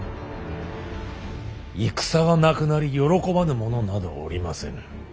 戦がなくなり喜ばぬ者などおりませぬ。